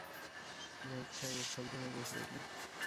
জাহিদ সাহেব স্তব্ধ হয়ে বসে রইলেন।